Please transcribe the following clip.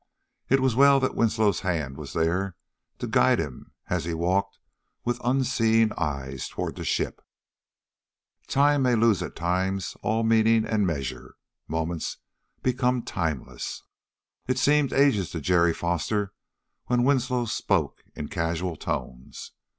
It was well that Winslow's hand was there to guide him as he walked with unseeing eyes toward the ship. Time may lose at times all meaning and measure moments become timeless. It seemed ages to Jerry Foster when Winslow spoke in casual tones.